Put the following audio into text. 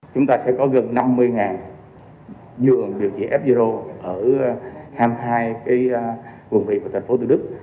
chúng ta sẽ có gần năm mươi dường điều trị f zero ở hai mươi hai quần vị của thành phố từ đức